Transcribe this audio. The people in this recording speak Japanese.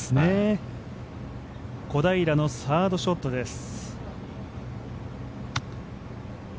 小平のサードショットです。